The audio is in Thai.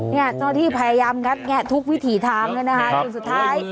เจ้าหน้าที่พยายามงัดแงะทุกวิถีทางเลยนะคะจนสุดท้าย